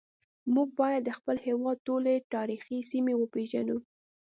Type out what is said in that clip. موږ باید د خپل هیواد ټولې تاریخي سیمې وپیژنو